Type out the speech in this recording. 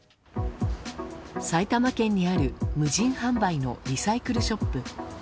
埼玉県にある無人販売のリサイクルショップ。